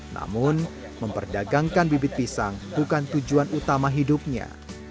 namun memperdagangkan bibit pisang bukan tujuan utama hidupnya